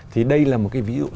thì đây là một cái ví dụ rất rõ